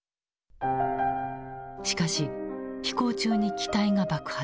しかし飛行中に機体が爆発。